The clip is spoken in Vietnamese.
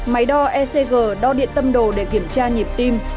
máy đo ecg đo điện tâm đồ để kiểm tra nhịp tim